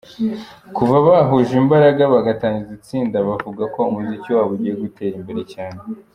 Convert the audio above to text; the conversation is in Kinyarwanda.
Kuva bahuje imbaraga bagatangiza itsinda bavuga ko umuziki wabo ugiye gutera imbere cyane.